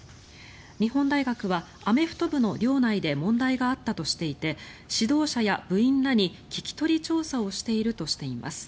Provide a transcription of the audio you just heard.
日本大学は、アメフト部の寮内で問題があったとしていて指導者や部員らに聞き取り調査をしているとしています。